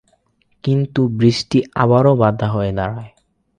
কিন্তু বৃষ্টি আবারো বাঁধা হয়ে দাঁড়ায়।